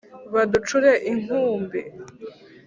baducure inkumbi